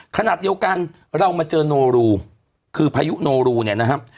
ขณะเดียวกันเรามาเจอโนรูคือพายุโนรูเนี่ยนะครับ